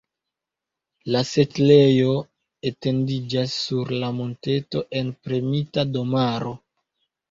La setlejo etendiĝas sur monteto en premita domaro.